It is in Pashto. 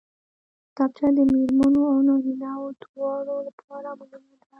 کتابچه د مېرمنو او نارینوو دواړو لپاره مهمه ده